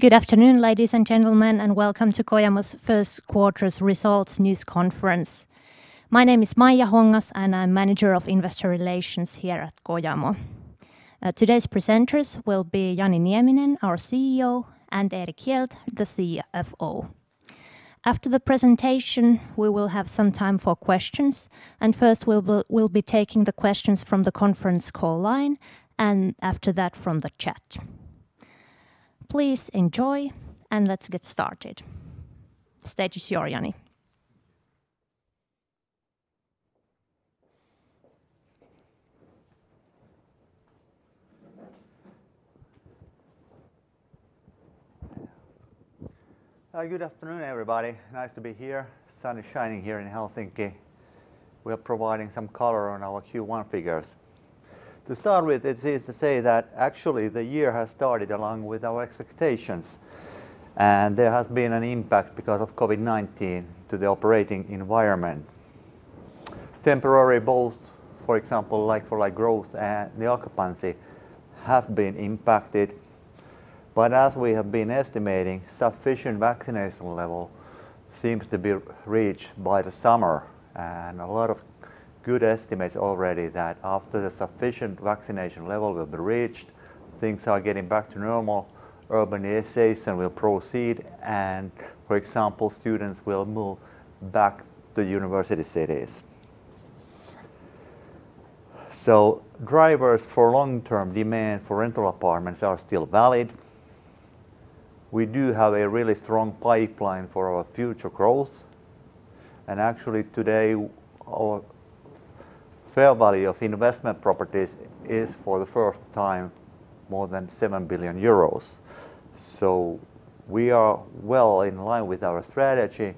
Good afternoon, ladies and gentlemen, and welcome to Kojamo's First Quarter Results News Conference. My name is Maija Hongas, and I'm Manager of Investor Relations here at Kojamo. Today's presenters will be Jani Nieminen, our CEO, and Erik Hjelt, the CFO. After the presentation, we will have some time for questions. First, we'll be taking the questions from the conference call line, and after that, from the chat. Please enjoy, and let's get started. The stage is yours, Jani. Good afternoon, everybody. Nice to be here. The sun is shining here in Helsinki. We are providing some color on our Q1 figures. To start with, it's easy to say that actually the year has started along with our expectations, and there has been an impact because of COVID-19 to the operating environment. Temporary, both, for example, like-for-like growth and the occupancy have been impacted. As we have been estimating, sufficient vaccination level seems to be reached by the summer. A lot of good estimates already that after the sufficient vaccination level will be reached, things are getting back to normal, urbanization will proceed, and for example, students will move back to university cities. Drivers for long-term demand for rental apartments are still valid. We do have a really strong pipeline for our future growth. Actually today, our fair value of investment properties is for the first time more than 7 billion euros. We are well in line with our strategy,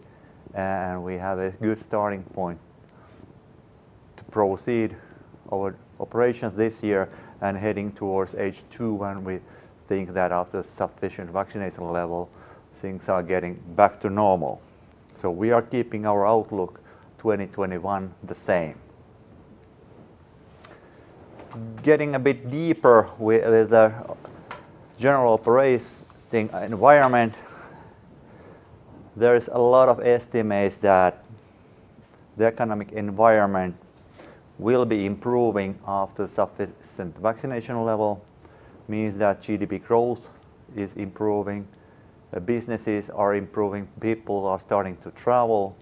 and we have a good starting point to proceed our operations this year and heading towards H2 when we think that after sufficient vaccination level, things are getting back to normal. We are keeping our outlook 2021 the same. Getting a bit deeper with the general operating environment, there is a lot of estimates that the economic environment will be improving after sufficient vaccination level. Means that GDP growth is improving, businesses are improving, people are starting to travel.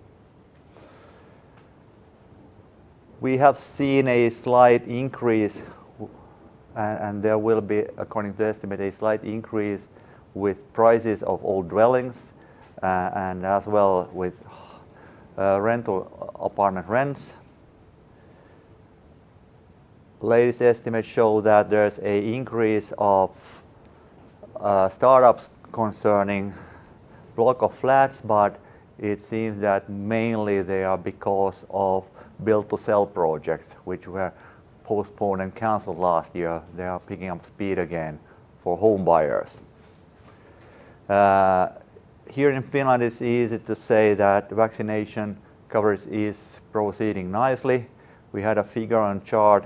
We have seen a slight increase, and there will be, according to estimate, a slight increase with prices of all dwellings, and as well with rental apartment rents. Latest estimates show that there's an increase of startups concerning block of flats, but it seems that mainly they are because of built-to-sell projects, which were postponed and canceled last year. They are picking up speed again for home buyers. Here in Finland, it's easy to say that vaccination coverage is proceeding nicely. We had a figure on chart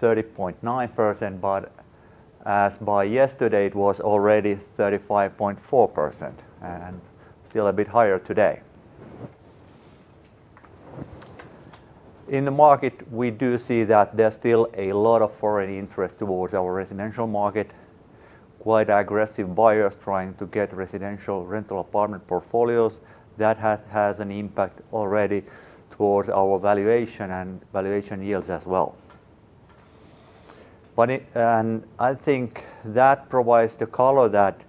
30.9%, but as by yesterday, it was already 35.4%, and still a bit higher today. In the market, we do see that there's still a lot of foreign interest towards our residential market, quite aggressive buyers trying to get residential rental apartment portfolios. That has an impact already towards our valuation and valuation yields as well. I think that provides the color that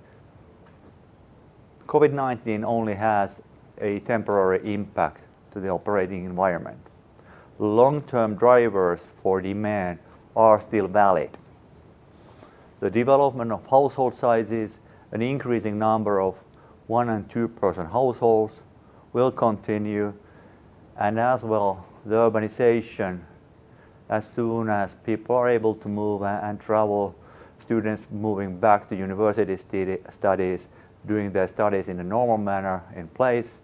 COVID-19 only has a temporary impact to the operating environment. Long-term drivers for demand are still valid. The development of household sizes, an increasing number of one and two-person households will continue, as well, the urbanization. As soon as people are able to move and travel, students moving back to university studies, doing their studies in a normal manner in place,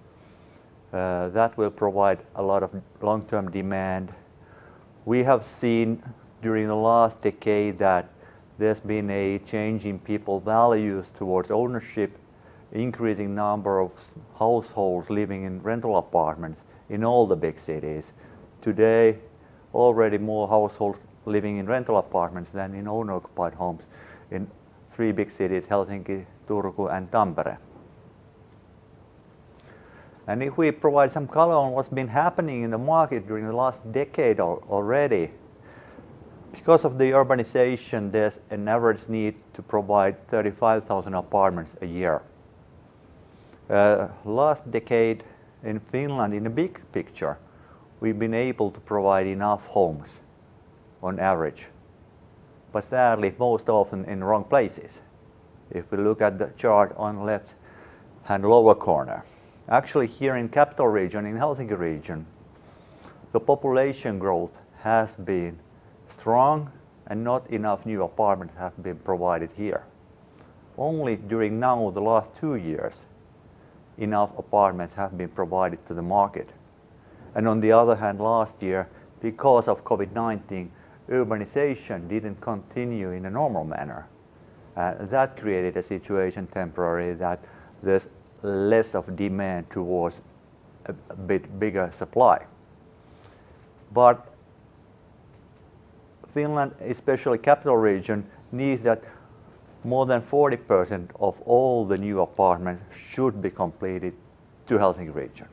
that will provide a lot of long-term demand. We have seen during the last decade that there's been a change in people values towards ownership, increasing number of households living in rental apartments in all the big cities. Today, already more households living in rental apartments than in owner-occupied homes in three big cities, Helsinki, Turku, and Tampere. If we provide some color on what's been happening in the market during the last decade already, because of the urbanization, there's an average need to provide 35,000 apartments a year. Last decade in Finland, in the big picture, we've been able to provide enough homes on average, but sadly, most often in the wrong places, if we look at the chart on left-hand lower corner. Actually, here in capital region, in Helsinki region, the population growth has been strong and not enough new apartment have been provided here. Only during now the last two years, enough apartments have been provided to the market. On the other hand, last year, because of COVID-19, urbanization didn't continue in a normal manner. That created a situation temporarily that there's less of demand towards a bit bigger supply. Finland, especially capital region, needs that more than 40% of all the new apartments should be completed to Helsinki region.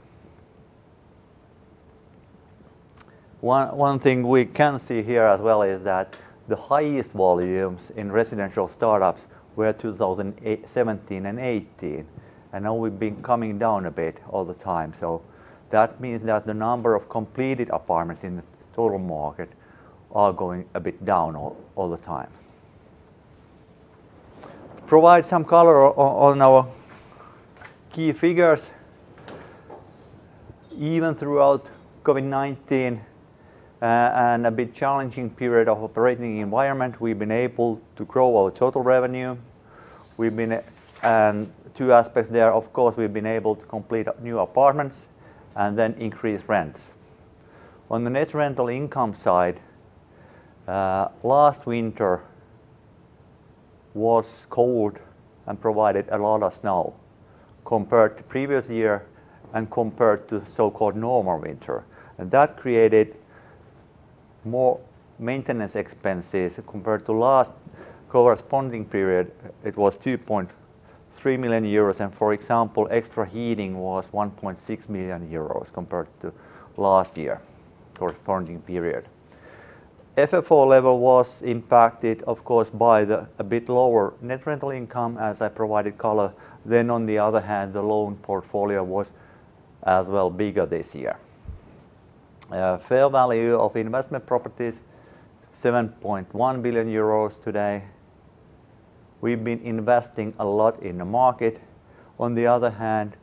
One thing we can see here as well is that the highest volumes in residential startups were 2017 and 2018. Now we've been coming down a bit all the time. That means that the number of completed apartments in the total market are going a bit down all the time. Provide some color on our key figures. Even throughout COVID-19, a bit challenging period of operating environment, we've been able to grow our total revenue. Two aspects there, of course, we've been able to complete new apartments. Then increase rents. On the net rental income side, last winter was cold. Provided a lot of snow compared to previous year. Compared to so-called normal winter. That created more maintenance expenses compared to last corresponding period, it was 2.3 million euros. For example, extra heating was 1.6 million euros compared to last year corresponding period. FFO level was impacted, of course, by the a bit lower net rental income as I provided color. On the other hand, the loan portfolio was as well bigger this year. Fair value of investment properties, 7.1 billion euros today. We've been investing a lot in the market. On the other hand,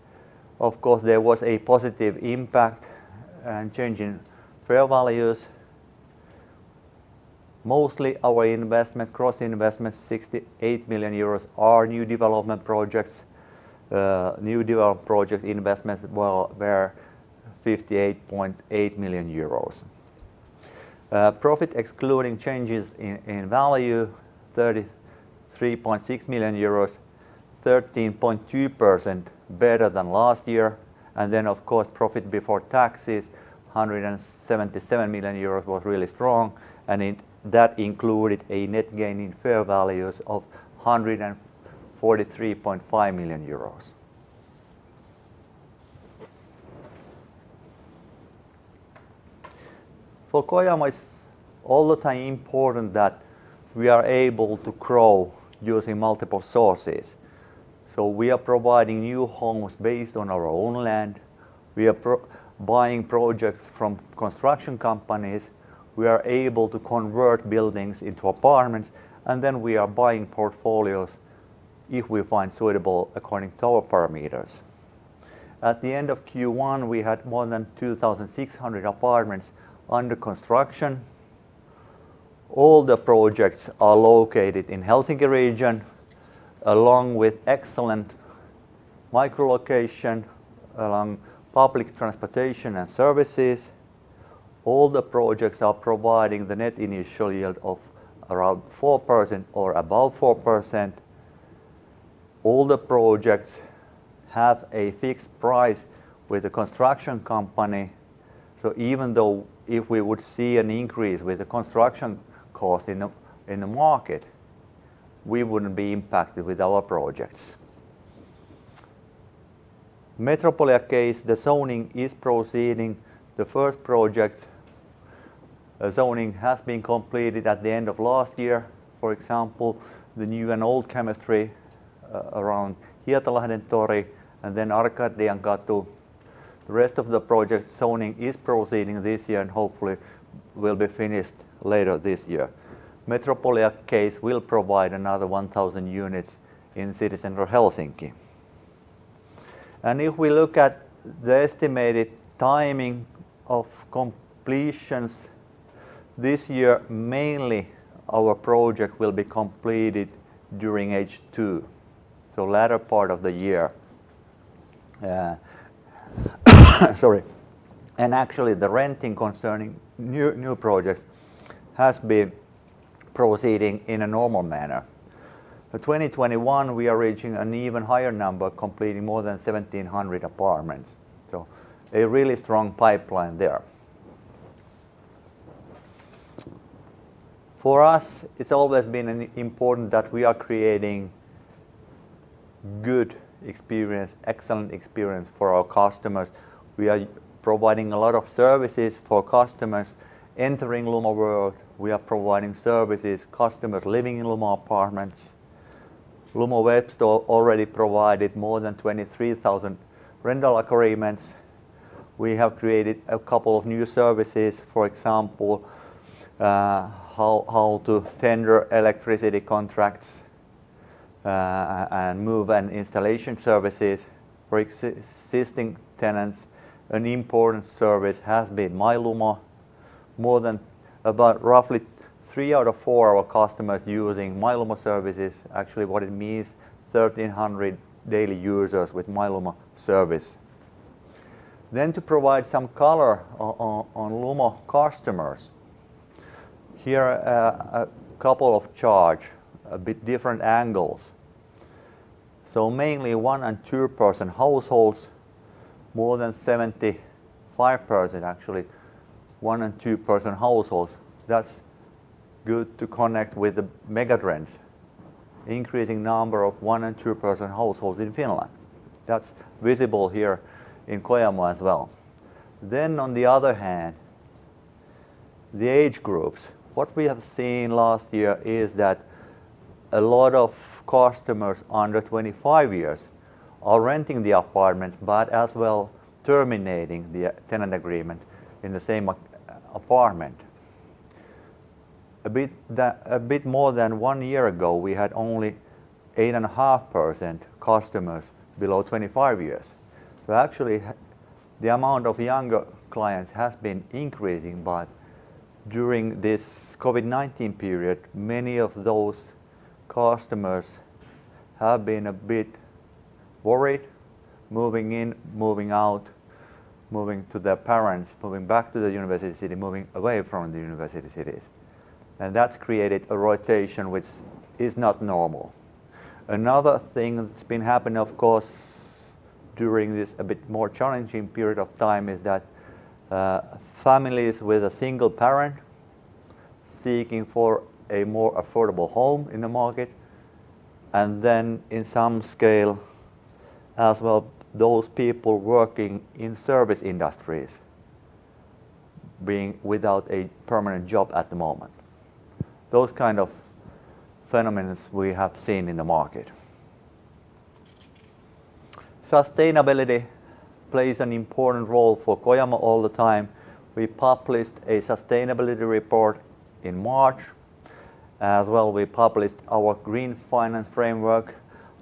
of course, there was a positive impact and change in fair values. Mostly our investment, gross investment, 68 million euros are new development projects. New development project investments were 58.8 million euros. Profit excluding changes in value, 33.6 million euros, 13.2% better than last year. Of course, profit before taxes, 177 million euros, was really strong, and that included a net gain in fair values of 143.5 million euros. For Kojamo, it's all the time important that we are able to grow using multiple sources. We are providing new homes based on our own land. We are buying projects from construction companies. We are able to convert buildings into apartments. We are buying portfolios if we find suitable according to our parameters. At the end of Q1, we had more than 2,600 apartments under construction. All the projects are located in Helsinki region, along with excellent micro-location, along public transportation and services. All the projects are providing the net initial yield of around 4% or above 4%. All the projects have a fixed price with the construction company. Even though if we would see an increase with the construction cost in the market, we wouldn't be impacted with our projects. Metropolia case, the zoning is proceeding. The first project zoning has been completed at the end of last year. For example, the new and old chemistry around Hietalahdentori and then Arkadiankatu. The rest of the project zoning is proceeding this year and hopefully will be finished later this year. Metropolia case will provide another 1,000 units in city center Helsinki. If we look at the estimated timing of completions this year, mainly our project will be completed during H2, so latter part of the year. Actually, the renting concerning new projects has been proceeding in a normal manner. The 2021, we are reaching an even higher number, completing more than 1,700 apartments. A really strong pipeline there. For us, it's always been important that we are creating good experience, excellent experience for our customers. We are providing a lot of services for customers entering Lumo world. We are providing services, customers living in Lumo apartments. Lumo web store already provided more than 23,000 rental agreements. We have created a couple of new services. For example, how to tender electricity contracts, and move-in installation services for existing tenants. An important service has been My Lumo. More than about roughly three out of four of our customers using My Lumo services. Actually, what it means, 1,300 daily users with My Lumo service. To provide some color on Lumo customers, here are a couple of charts, a bit different angles. Mainly one and two-person households, more than 75%, actually, one and two-person households. That's good to connect with the mega-trends. Increasing number of one and two-person households in Finland. That's visible here in Kojamo as well. On the other hand, the age groups. What we have seen last year is that a lot of customers under 25 years are renting the apartments, but as well terminating the tenant agreement in the same apartment. A bit more than one year ago, we had only 8.5% customers below 25 years. Actually, the amount of younger clients has been increasing, but during this COVID-19 period, many of those customers have been a bit worried, moving in, moving out, moving to their parents, moving back to the university city, moving away from the university cities. That's created a rotation which is not normal. Another thing that's been happening, of course, during this a bit more challenging period of time is that families with a single parent seeking for a more affordable home in the market, and then in some scale as well, those people working in service industries, being without a permanent job at the moment. Those kind of phenomenons we have seen in the market. Sustainability plays an important role for Kojamo all the time. We published a sustainability report in March. As well, we published our green finance framework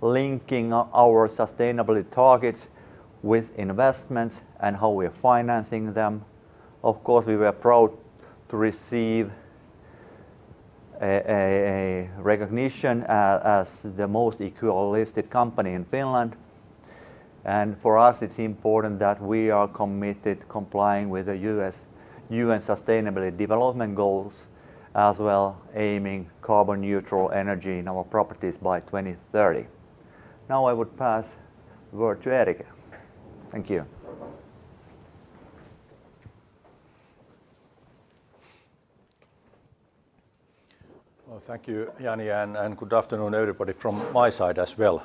linking our sustainability targets with investments and how we're financing them. Of course, we were proud to receive a recognition as the most equal listed company in Finland. For us, it's important that we are committed complying with the UN Sustainable Development Goals, as well aiming carbon neutral energy in our properties by 2030. Now I would pass word to Erik. Thank you. Well, thank you, Jani, and good afternoon, everybody, from my side as well.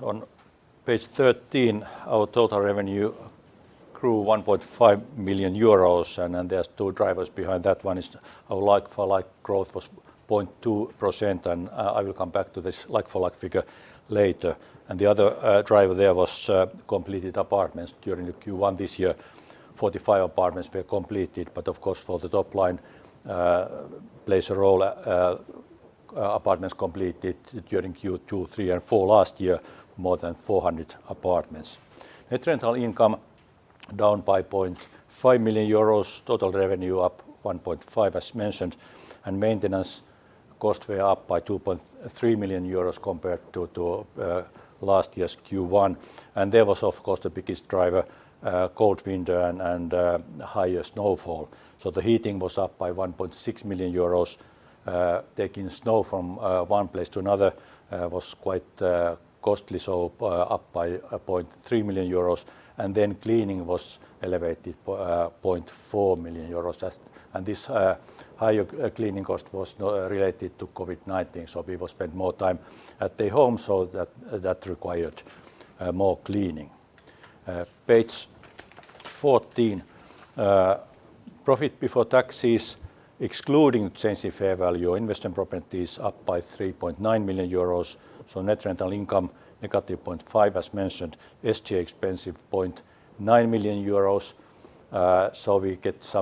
On page 13, our total revenue grew 1.5 million euros, and there's two drivers behind that. One is our like-for-like growth was 0.2%, and I will come back to this like-for-like figure later. The other driver there was completed apartments during the Q1 this year. 45 apartments were completed, but of course, for the top line, plays a role, apartments completed during Q2, Q3, and Q4 last year, more than 400 apartments. Net rental income down by 0.5 million euros, total revenue up 1.5 million as mentioned, and maintenance costs were up by 2.3 million euros compared to last year's Q1. There was, of course, the biggest driver, cold winter and higher snowfall. The heating was up by 1.6 million euros. Taking snow from one place to another was quite costly, so up by 0.3 million euros. Cleaning was elevated 0.4 million euros. This higher cleaning cost was related to COVID-19, so people spent more time at their home, so that required more cleaning. Page 14. Profit before taxes, excluding change in fair value or investment properties, up by 3.9 million euros. Net rental income, negative 0.5 as mentioned. SG&A expenses, 0.9 million euros. We get some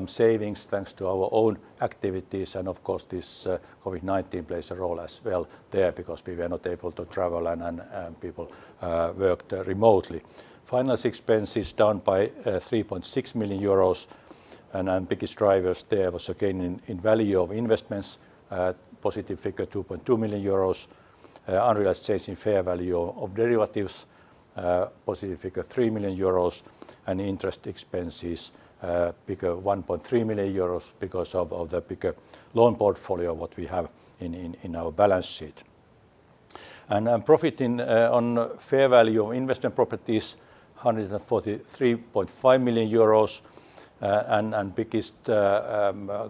savings thanks to our own activities. Of course, this COVID-19 plays a role as well there because we were not able to travel and people worked remotely. Finance expenses down by 3.6 million euros. Biggest drivers there was a gain in value of investments, positive figure, 2.2 million euros. Unrealized change in fair value of derivatives, positive figure, 3 million euros, and interest expenses, bigger, 1.3 million because of the bigger loan portfolio what we have in our balance sheet. Profit on fair value of investment properties, 143.5 million euros, and biggest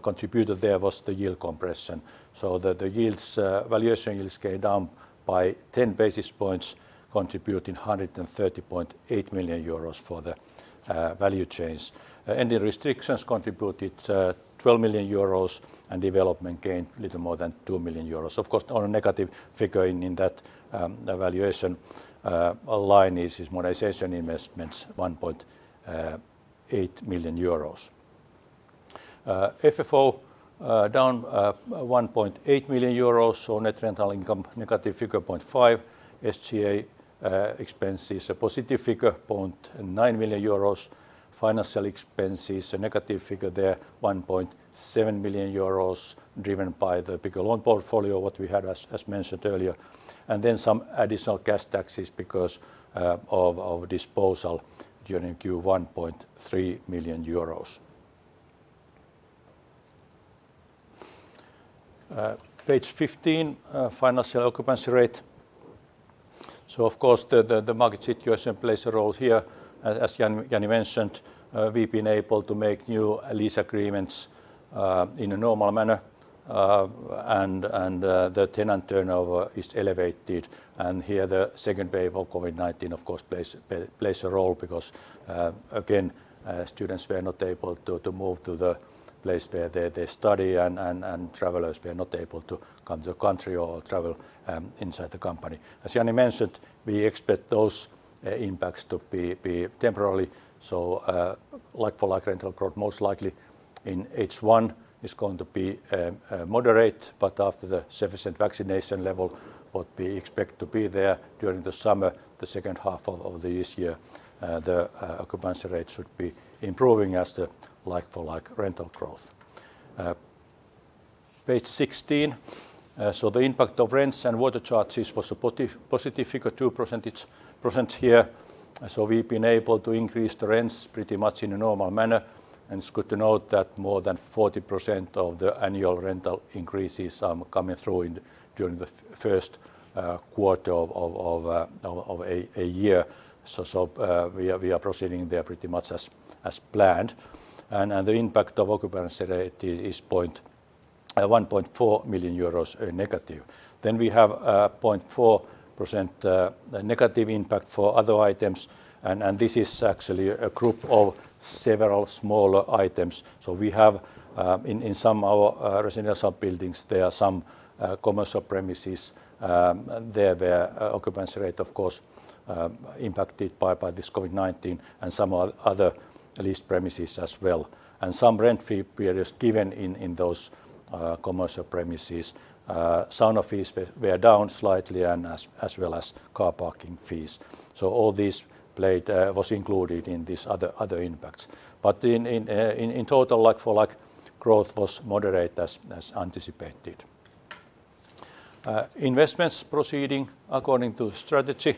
contributor there was the yield compression, so that the yields, valuation yields came down by 10 basis points, contributing 130.8 million euros for the value change. The restrictions contributed 12 million euros, and development gained little more than 2 million euros. Of course, on a negative figure in that valuation line is modernization investments, 1.8 million euros. FFO down 1.8 million euros. Net rental income negative figure 0.5 million. SG&A expenses a positive figure, 0.9 million euros. Financial expenses a negative figure there, 1.7 million euros driven by the bigger loan portfolio, what we had, as mentioned earlier. Some additional cash taxes because of our disposal during Q1, 3 million euros. Page 15, financial occupancy rate. Of course, the market situation plays a role here. As Jani mentioned, we've been able to make new lease agreements in a normal manner, and the tenant turnover is elevated. Here, the second wave of COVID-19 of course plays a role because again, students were not able to move to the place where they study, and travelers were not able to come to the country or travel inside the company. As Jani mentioned, we expect those impacts to be temporarily. Like-for-like rental growth, most likely in H1 is going to be moderate, but after the sufficient vaccination level, what we expect to be there during the summer, the second half of this year, the occupancy rate should be improving as the like-for-like rental growth. Page 16. The impact of rents and water charges was a positive figure, 2% here. We've been able to increase the rents pretty much in a normal manner. It's good to note that more than 40% of the annual rental increases are coming through during the first quarter of a year. We are proceeding there pretty much as planned. The impact of occupancy rate is 1.4 million euros negative. We have 0.4% negative impact for other items, and this is actually a group of several smaller items. We have, in some of our residential buildings, there are some commercial premises there where occupancy rate, of course, impacted by this COVID-19, and some other leased premises as well. Some rent-free periods given in those commercial premises. Sauna fees were down slightly and as well as car parking fees. All this was included in these other impacts. In total, like-for-like growth was moderate as anticipated. Investments proceeding according to strategy,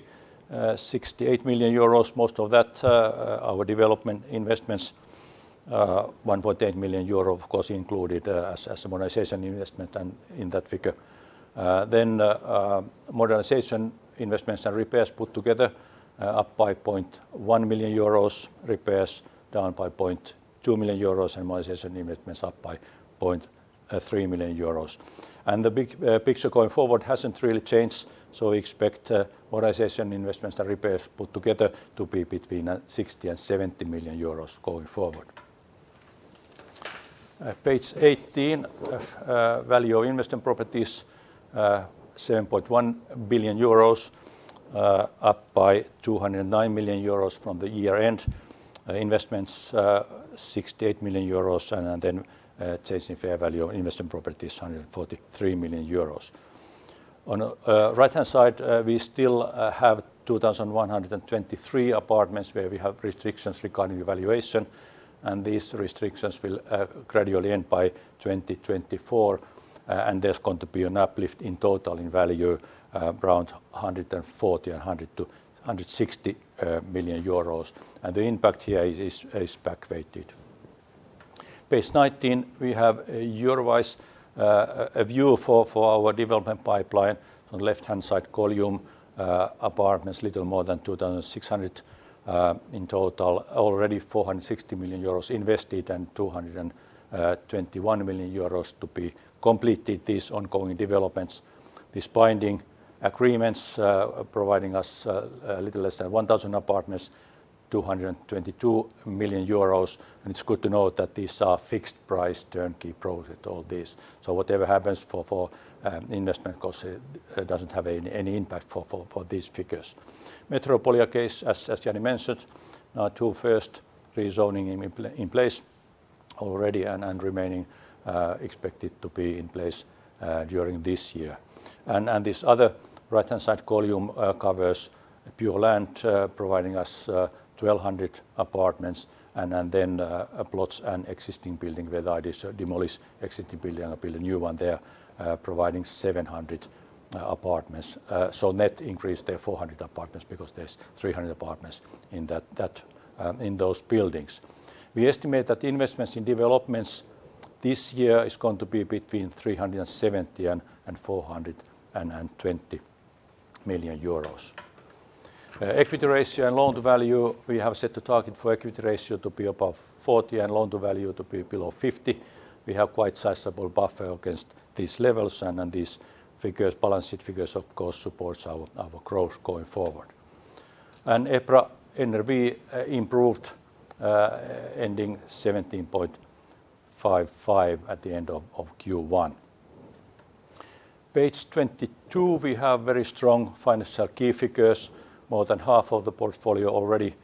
68 million euros. Most of that, our development investments, 1.8 million euro, of course, included as a modernization investment in that figure. Then modernization investments and repairs put together, up by 0.1 million euros. Repairs down by 2 million euros, and modernization investments up by 0.3 million euros. The big picture going forward hasn't really changed. We expect modernization investments and repairs put together to be between 60 million and 70 million euros going forward. Page 18, value of investment properties, 7.1 billion euros, up by 209 million euros from the year-end. Investments, 68 million euros, and change in fair value of investment properties, 143 million euros. On the right-hand side, we still have 2,123 apartments where we have restrictions regarding evaluation, and these restrictions will gradually end by 2024, and there's going to be an uplift in total in value around 140 million euros and 160 million euros. The impact here is back weighted. Page 19, we have a year-wise view for our development pipeline. On the left-hand side column, apartments, a little more than 2,600 in total. Already 460 million euros invested and 221 million euros to be completed, these ongoing developments. These binding agreements providing us a little less than 1,000 apartments, 222 million euros. It's good to note that these are fixed price turnkey projects, all these. Whatever happens for investment cost, it doesn't have any impact for these figures. Metropolia case, as Jani mentioned, two first rezoning in place already and remaining expected to be in place during this year. This other right-hand side column covers pure land, providing us 1,200 apartments, and then plots and existing building, whether I demolish existing building and build a new one there, providing 700 apartments. Net increase there, 400 apartments because there's 300 apartments in those buildings. We estimate that investments in developments this year is going to be between 370 million and 420 million euros. Equity ratio and loan to value, we have set a target for equity ratio to be above 40% and loan to value to be below 50%. We have quite sizable buffer against these levels, these figures, balance sheet figures, of course, supports our growth going forward. EPRA NRV improved, ending 17.55 at the end of Q1. Page 22, we have very strong financial key figures. More than half of the portfolio already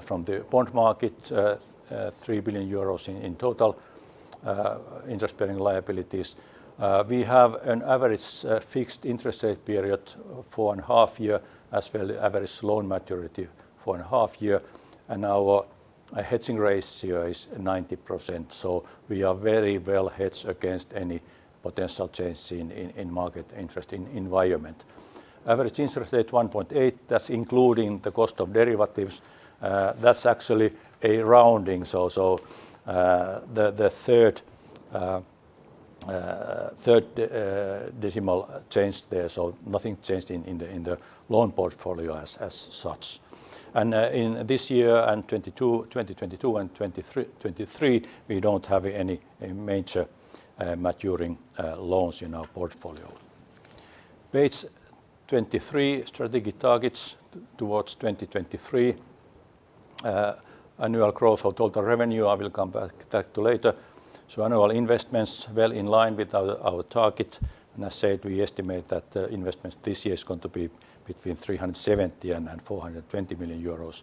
from the bond market, 3 billion euros in total interest-bearing liabilities. We have an average fixed interest rate period of four and a half years, as well as average loan maturity of four and a half years, our hedging ratio is 90%. We are very well hedged against any potential changes in market interest environment. Average interest rate 1.8, that's including the cost of derivatives. That's actually a rounding, the third decimal changed there. Nothing changed in the loan portfolio as such. In this year and 2022 and 2023, we don't have any major maturing loans in our portfolio. Page 23, strategic targets towards 2023. Annual growth of total revenue, I will come back to that later. Annual investments well in line with our target. As said, we estimate that the investments this year is going to be between 370 million and 420 million euros.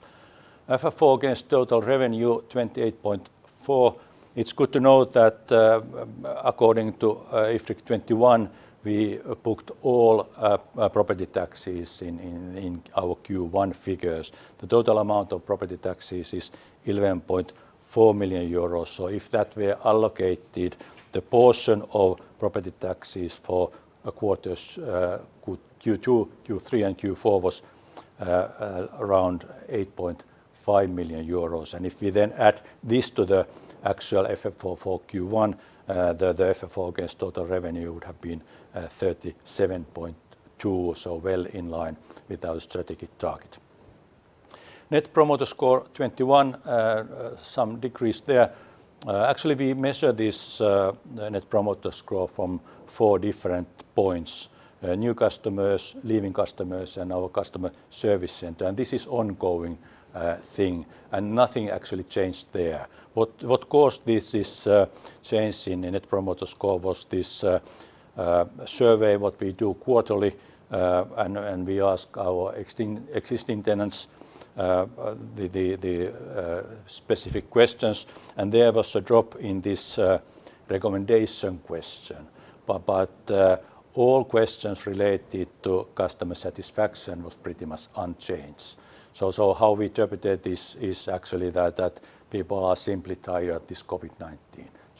FFO against total revenue, 28.4. It's good to note that according to IFRIC 21, we booked all property taxes in our Q1 figures. The total amount of property taxes is 11.4 million euros. If that were allocated, the portion of property taxes for quarters Q2, Q3, and Q4 was around 8.5 million euros. If we then add this to the actual FFO for Q1, the FFO against total revenue would have been 37.2%, well in line with our strategic target. Net Promoter Score '21, some decrease there. Actually, we measure this Net Promoter Score from four different points: new customers, leaving customers, and our customer service center. This is ongoing thing, and nothing actually changed there. What caused this change in Net Promoter Score was this survey what we do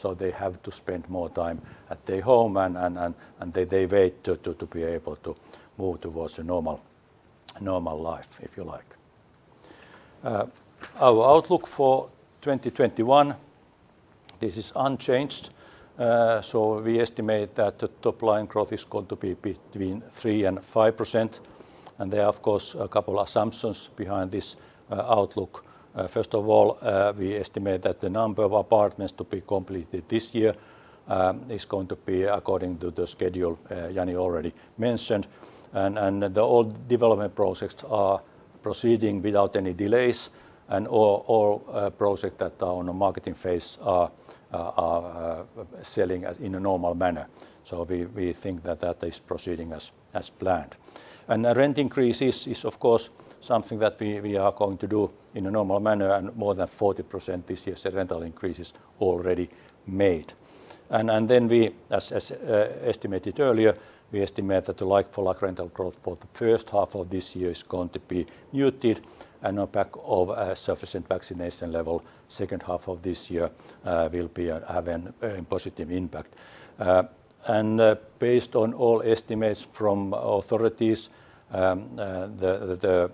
quarterly, and we ask our existing tenants the specific questions, and there was a drop in this recommendation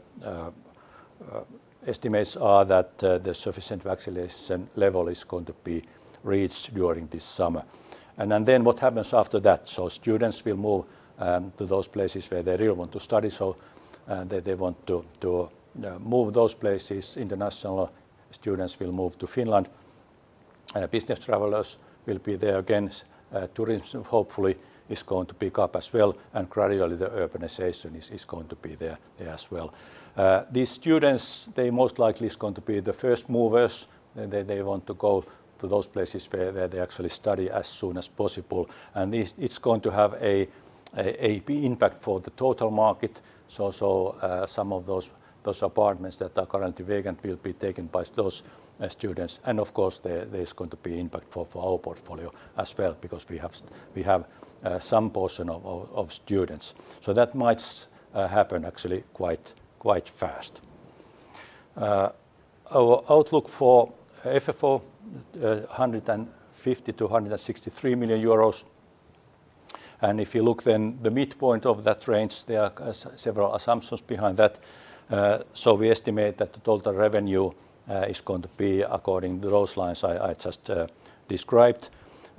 question. All questions related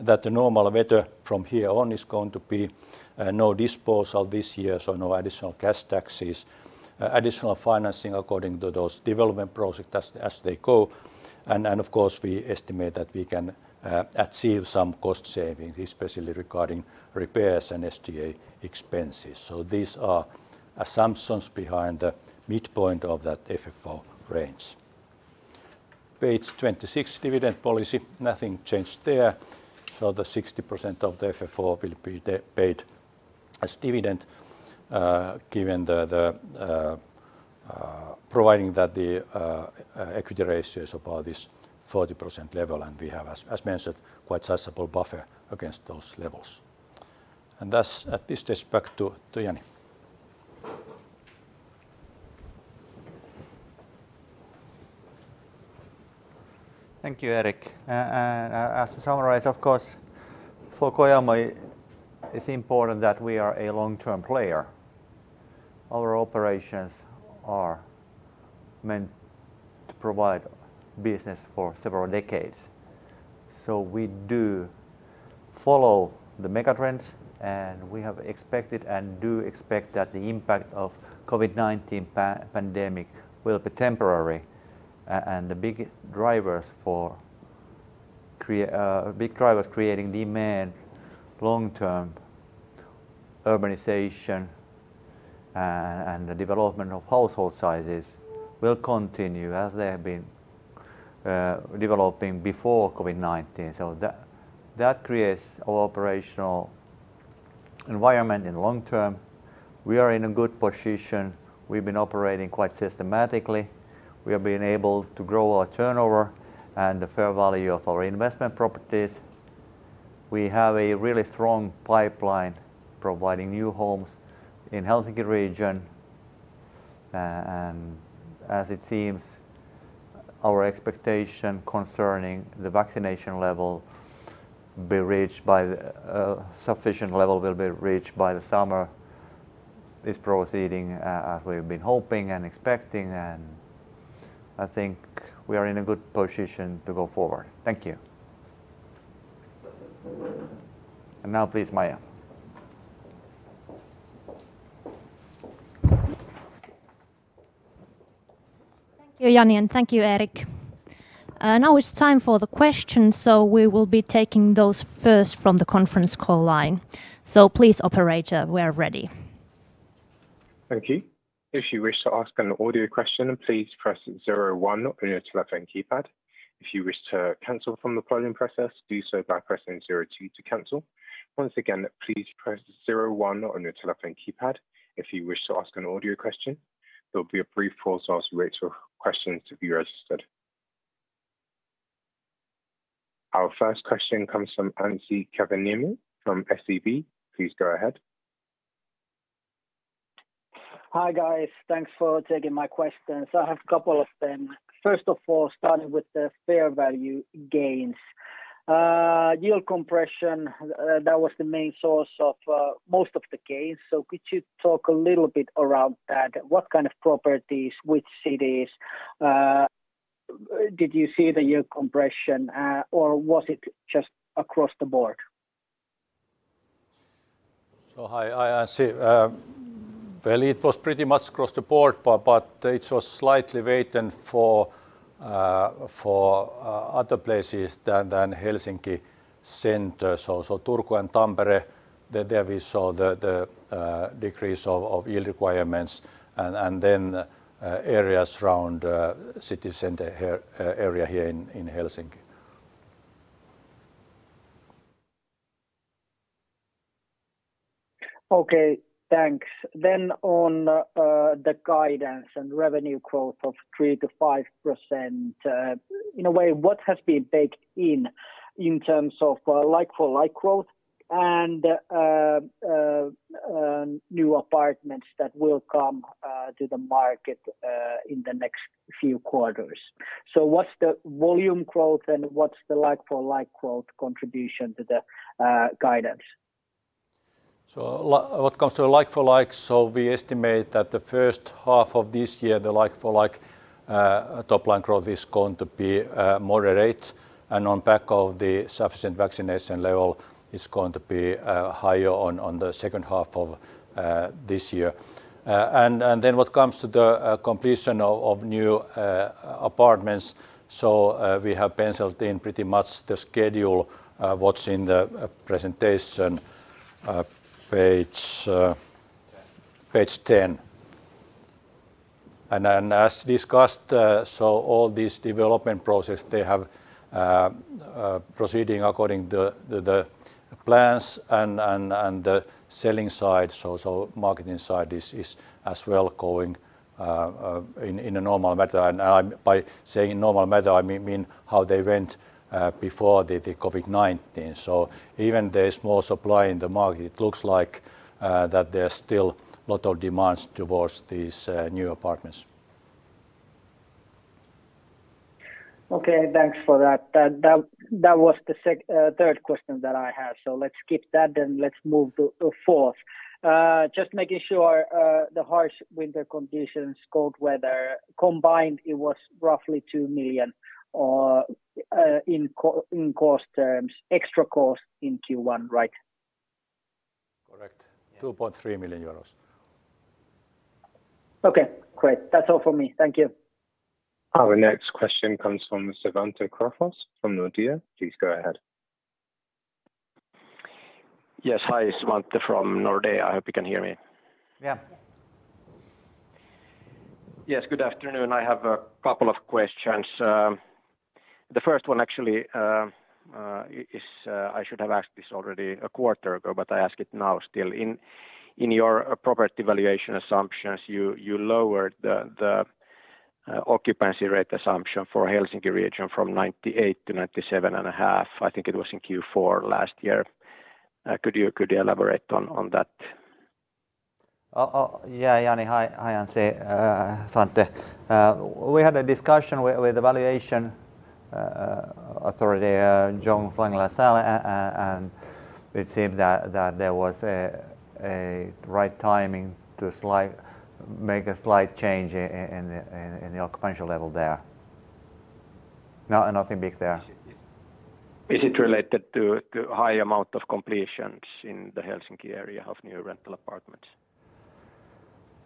that the normal weather from here on is going to be no disposal this year, no additional cash taxes, additional financing according to those development projects as they go, and, of course, we estimate that we can achieve some cost savings, especially regarding repairs and SG&A expenses. These are assumptions behind the midpoint of that FFO range. Page 26, dividend policy. Nothing changed there. The 60% of the FFO will be paid as dividend providing that the equity ratio is above this 40% level, and we have, as mentioned, quite a sizable buffer against those levels. Thus, at this stage, back to Jani. Thank you, Erik. As a summary, of course, for Kojamo, it's important that we are a long-term player. Our operations are meant to provide business for several decades. We do follow the mega trends, and we have expected and do expect that the impact of COVID-19 pandemic will be temporary. The big drivers creating demand long-term, urbanization and the development of household sizes will continue as they have been developing before COVID-19. That creates our operational environment in long-term. We are in a good position. We've been operating quite systematically. We have been able to grow our turnover and the fair value of our investment properties. We have a really strong pipeline providing new homes in Helsinki region. As it seems, our expectation concerning the vaccination level will be reached by the summer is proceeding as we've been hoping and expecting, and I think we are in a good position to go forward. Thank you. Now please, Maija. Thank you, Jani, and thank you, Erik. Now it's time for the questions, so we will be taking those first from the conference call line. Please, operator, we're ready. Thank you. If you wish to ask an audio question please press zero one on your telephone keypad. If you wish to cancel from the polling process please press zero two to cancel. Once again please press zero one on your telephone keypad if you wish to ask a question. There will be a brief pause as we wait for questions to be registered. Our first question comes from Anssi Kiviniemi from SEB. Please go ahead. Hi, guys. Thanks for taking my questions. I have a couple of them. First of all, starting with the fair value gains. Yield compression, that was the main source of most of the gains. Could you talk a little bit around that? What kind of properties, which cities did you see the yield compression? Was it just across the board? Hi, Anssi. It was pretty much across the board, but it was slightly weighted for other places than Helsinki center. Turku and Tampere, there we saw the decrease of yield requirements, and then areas around city center area here in Helsinki. Okay, thanks. On the guidance and revenue growth of 3%-5%, in a way, what has been baked in in terms of like-for-like growth and new apartments that will come to the market in the next few quarters? What's the volume growth and what's the like-for-like growth contribution to the guidance? What comes to like-for-like, we estimate that the first half of this year, the like-for-like top line growth is going to be moderate, and on back of the sufficient vaccination level, is going to be higher on the second half of this year. What comes to the completion of new apartments, we have penciled in pretty much the schedule, what's in the presentation page 10 page 10. As discussed, all these development process, they have proceeding according to the plans and the selling side. Marketing side is as well going in a normal manner. By saying normal manner, I mean how they went before the COVID-19. Even there is more supply in the market, it looks like that there's still a lot of demands towards these new apartments. Okay. Thanks for that. That was the third question that I had. Let's skip that. Let's move to fourth. Just making sure the harsh winter conditions, cold weather, combined it was roughly 2 million in cost terms, extra cost in Q1, right? Correct. EUR 2.3 million. Okay, great. That's all from me. Thank you. Our next question comes from Svante Krokfors from Nordea. Please go ahead. Yes. Hi, it's Svante from Nordea. I hope you can hear me. Yeah. Yes. Good afternoon. I have a couple of questions. The first one actually is, I should have asked this already a quarter ago, but I ask it now still. In your property valuation assumptions, you lowered the occupancy rate assumption for Helsinki region from 98 to 97.5. I think it was in Q4 last year. Could you elaborate on that? Yeah, Jani. Hi, Svante. Svante. We had a discussion with the valuation authority, Jones Lang LaSalle, and it seemed that there was a right timing to make a slight change in the occupational level there. Nothing big there. Is it related to high amount of completions in the Helsinki area of new rental apartments?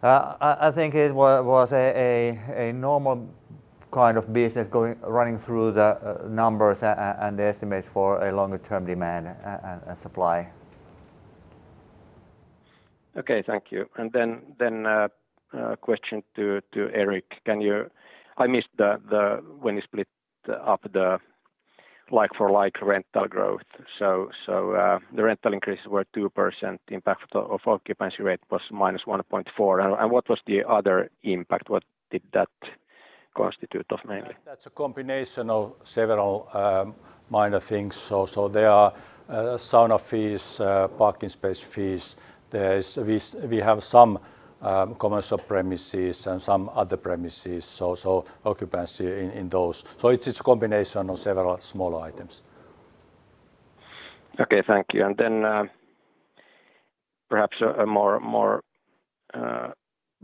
I think it was a normal kind of business running through the numbers and the estimates for a longer-term demand and supply. Okay, thank you. Then a question to Erik. I missed when you split up the like-for-like rental growth. The rental increases were 2%. The impact of occupancy rate was -1.4%. What was the other impact? What did that constitute of mainly? That's a combination of several minor things. They are sauna fees, parking space fees. We have some commercial premises and some other premises, so occupancy in those. It's a combination of several smaller items. Okay, thank you. Perhaps a more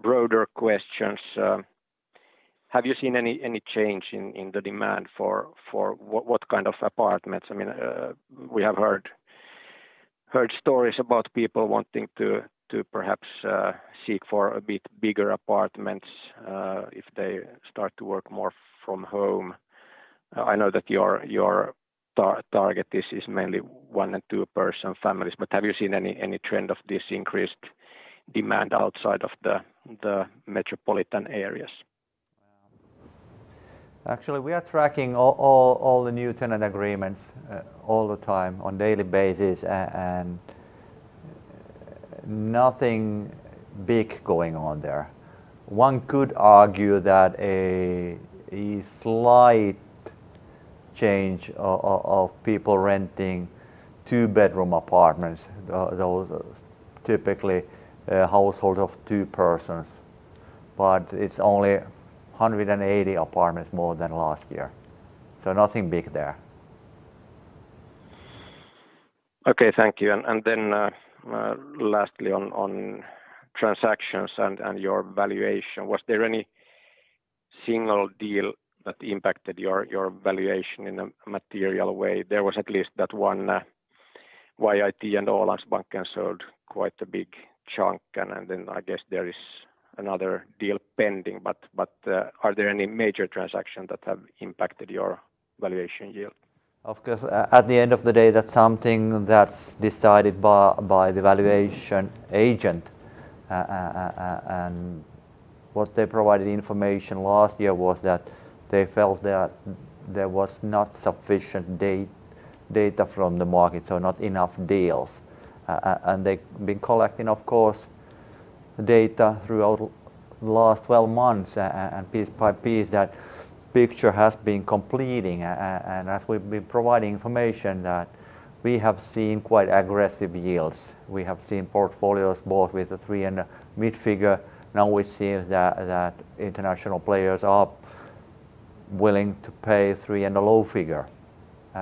broader questions. Have you seen any change in the demand for what kind of apartments? We have heard stories about people wanting to perhaps seek for a bit bigger apartments if they start to work more from home. I know that your target is mainly one and two-person families, but have you seen any trend of this increased demand outside of the metropolitan areas? Actually, we are tracking all the new tenant agreements all the time on daily basis. Nothing big going on there. One could argue that a slight change of people renting two-bedroom apartments, those are typically a household of two persons, but it's only 180 apartments more than last year. Nothing big there. Okay, thank you. Lastly on transactions and your valuation, was there any single deal that impacted your valuation in a material way? There was at least that one YIT and Ålandsbanken sold quite a big chunk, and then I guess there is another deal pending. Are there any major transactions that have impacted your valuation yield? Of course, at the end of the day, that's something that's decided by the valuation agent. What they provided information last year was that they felt that there was not sufficient data from the market, so not enough deals. They've been collecting, of course, data throughout the last 12 months, and piece by piece, that picture has been completing. As we've been providing information, we have seen quite aggressive yields. We have seen portfolios both with the three and mid-figure. Now we see that international players are willing to pay three and a low figure,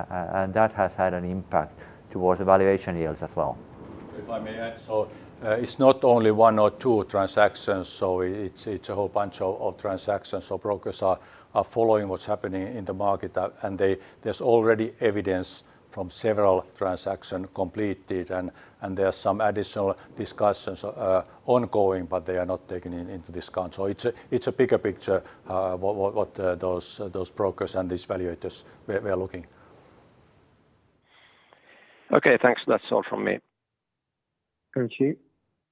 and that has had an impact towards the valuation yields as well. If I may add. It's not only one or two transactions, so it's a whole bunch of transactions. Brokers are following what's happening in the market, and there's already evidence from several transaction completed, and there are some additional discussions ongoing, but they are not taken into discount. It's a bigger picture what those brokers and these valuators were looking. Okay, thanks. That's all from me. Thank you.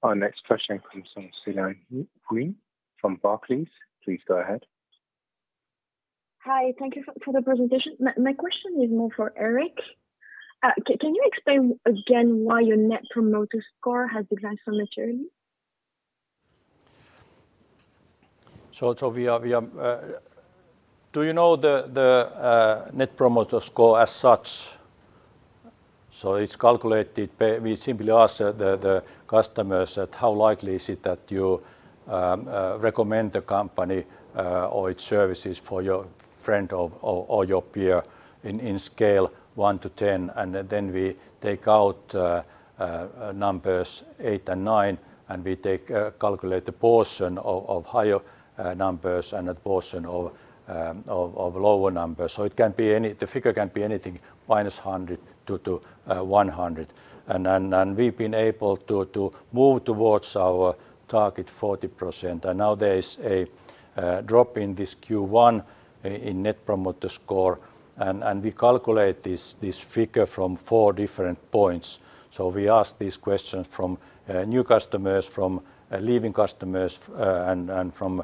Our next question comes from Céline Soo-Huynh from Barclays. Please go ahead. Hi. Thank you for the presentation. My question is more for Erik. Can you explain again why your Net Promoter Score has declined from the series? We are Do you know the Net Promoter Score as such? It's calculated by We simply ask the customers that how likely is it that you recommend the company or its services for your friend or your peer. In scale 1-10, and then we take out numbers eight and nine, and we calculate the portion of higher numbers and the portion of lower numbers. The figure can be anything -100 to 100. We've been able to move towards our target 40%. Now there is a drop in this Q1 in Net Promoter Score, and we calculate this figure from four different points. We ask these questions from new customers, from leaving customers, and from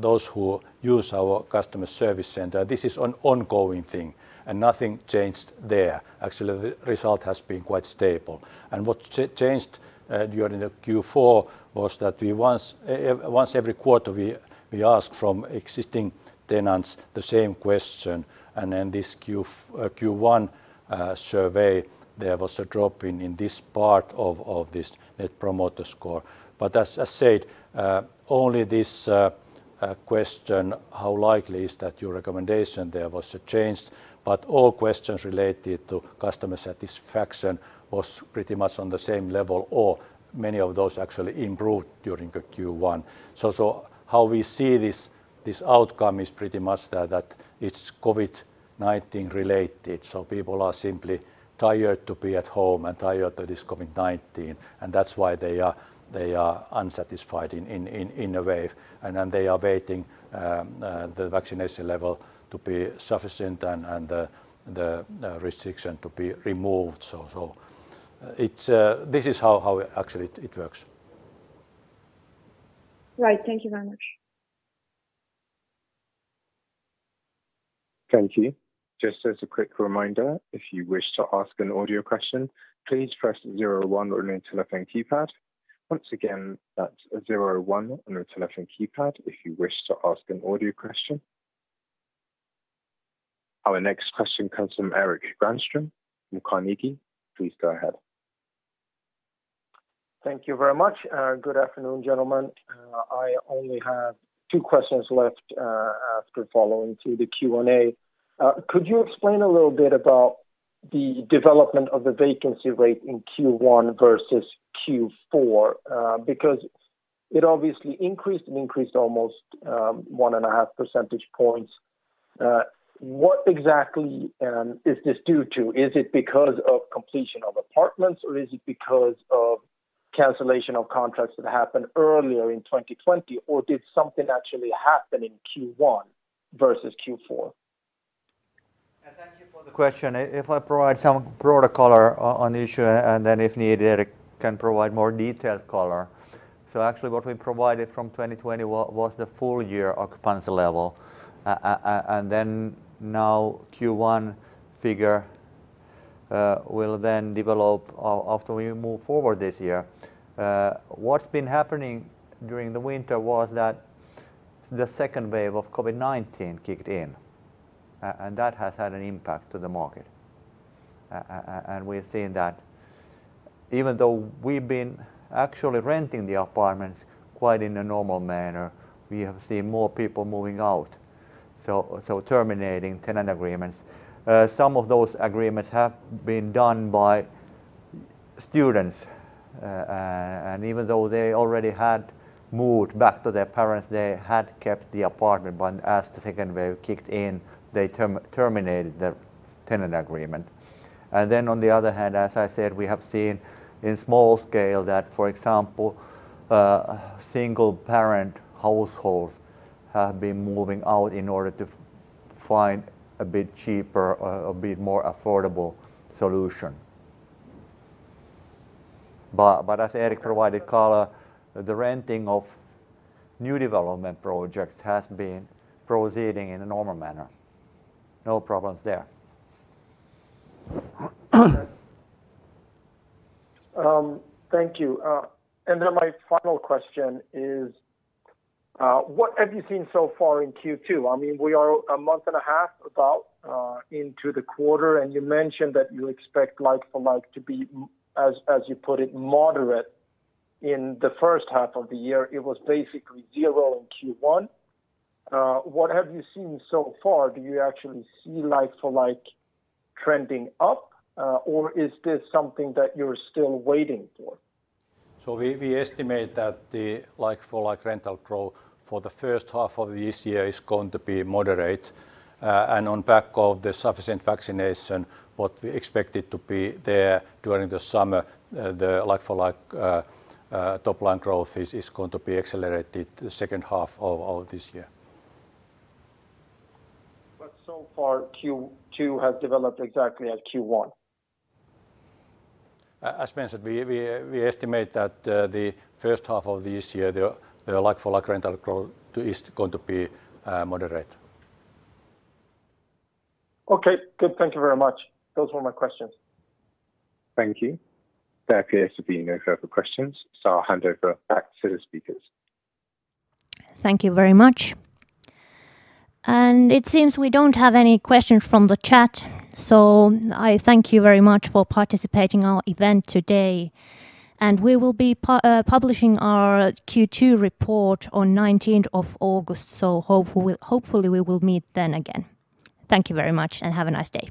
those who use our customer service center. This is an ongoing thing, and nothing changed there. Actually, the result has been quite stable. What changed during the Q4 was that once every quarter, we ask from existing tenants the same question, and in this Q1 survey, there was a drop in this part of this Net Promoter Score. As I said, only this question, how likely is that your recommendation, there was a change, but all questions related to customer satisfaction was pretty much on the same level, or many of those actually improved during the Q1. How we see this outcome is pretty much that it's COVID-19 related. People are simply tired to be at home and tired of this COVID-19, and that's why they are unsatisfied in a way. Then they are waiting the vaccination level to be sufficient and the restriction to be removed. This is how actually it works. Right. Thank you very much. Thank you. Just as a quick reminder, if you wish to ask an audio question, please press zero one on your telephone keypad. Once again, that's zero one on your telephone keypad if you wish to ask an audio question. Our next question comes from Erik Granström from Carnegie. Please go ahead. Thank you very much. Good afternoon, gentlemen. I only have two questions left after following through the Q&A. Could you explain a little bit about the development of the vacancy rate in Q1 versus Q4? It obviously increased and increased almost 1.5 Percentage points. What exactly is this due to? Is it because of completion of apartments, or is it because of cancellation of contracts that happened earlier in 2020? Did something actually happen in Q1 versus Q4? Thank you for the question. If I provide some broader color on the issue, and then if needed, can provide more detailed color. Actually what we provided from 2020 was the full year occupancy level. Now Q1 figure will then develop after we move forward this year. What's been happening during the winter was that the second wave of COVID-19 kicked in, and that has had an impact to the market. We've seen that even though we've been actually renting the apartments quite in a normal manner, we have seen more people moving out. Terminating tenant agreements. Some of those agreements have been done by students, and even though they already had moved back to their parents, they had kept the apartment. As the second wave kicked in, they terminated the tenant agreement. On the other hand, as I said, we have seen in small scale that, for example, single-parent households have been moving out in order to find a bit cheaper, a bit more affordable solution. As Erik provided color, the renting of new development projects has been proceeding in a normal manner. No problems there. Thank you. My final question is, what have you seen so far in Q2? We are a month and a half about into the quarter, and you mentioned that you expect like-for-like to be, as you put it, moderate in the first half of the year. It was basically zero in Q1. What have you seen so far? Do you actually see like-for-like trending up, or is this something that you're still waiting for? We estimate that the like-for-like rental growth for the first half of this year is going to be moderate. On back of the sufficient vaccination, what we expected to be there during the summer, the like-for-like top-line growth is going to be accelerated the second half of this year. So far, Q2 has developed exactly as Q1? As mentioned, we estimate that the first half of this year, the like-for-like rental growth is going to be moderate. Okay, good. Thank you very much. Those were my questions. Thank you. There appears to be no further questions. I'll hand over back to the speakers. Thank you very much. It seems we don't have any questions from the chat, so I thank you very much for participating our event today. We will be publishing our Q2 report on 19th of August, so hopefully we will meet then again. Thank you very much, and have a nice day.